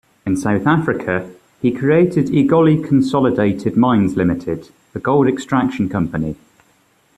In South Africa, he created Egoli Consolidated Mines Limited, a gold extraction company.